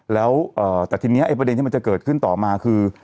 แล้วแต่ทีนี้ไอ้ประเด็นที่มันจะเกิดขึ้นต่อมาคือ